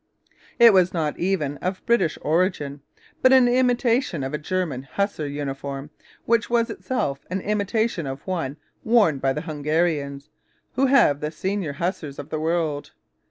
It was not even of British origin, but an imitation of a German hussar uniform which was itself an imitation of one worn by the Hungarians, who have the senior hussars of the world.